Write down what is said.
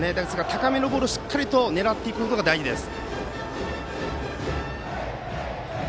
高めのボールをしっかりと狙っていくことが大事です。